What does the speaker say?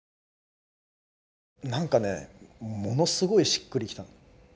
なんかねものすごいしっくりきた。